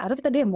aduh kita demo